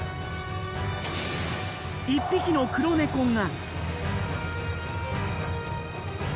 １匹の黒猫が。